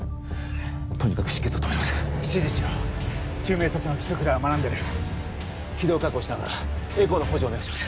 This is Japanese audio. とにかく出血を止めます指示しろ救命措置の基礎くらいは学んでる気道確保しながらエコーの補助をお願いします